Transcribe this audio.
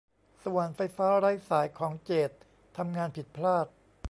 สว่านไฟฟ้าไร้สายของเจดทำงานผิดพลาด